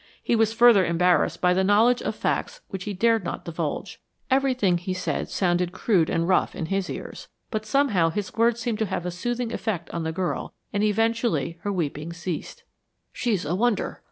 He was further embarrassed by the knowledge of facts which he dared not divulge. Everything he said sounded crude and rough in his ears, but somehow his words seemed to have a soothing effect on the girl and eventually her weeping ceased. "She's a wonder!"